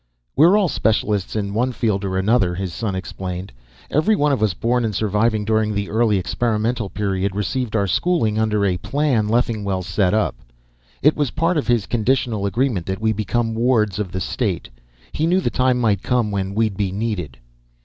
"We're all specialists in one field or another," his son explained. "Every one of us born and surviving during the early experimental period received our schooling under a plan Leffingwell set up. It was part of his conditional agreement that we become wards of the state. He knew the time might come when we'd be needed."